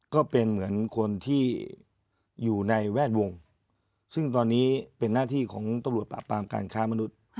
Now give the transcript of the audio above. ก็เป็นเหมือนคนที่อยู่ในแวดวงซึ่งตอนนี้เป็นหน้าที่ของตำรวจปราบปรามการค้ามนุษย์